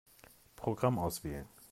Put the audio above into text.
Programm auswählen.